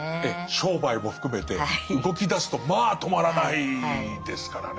商売も含めて動きだすとまあ止まらないですからね。